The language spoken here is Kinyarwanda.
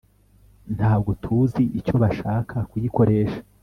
ntabwo tuzi icyo bashaka kuyikoresha